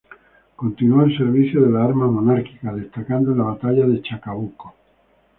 Continuó al servicio de las armas monárquicas, destacando en la batalla de Chacabuco.